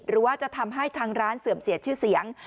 หรือว่าจะทำให้ทางร้านเสื่อมเสียชื่อเสียง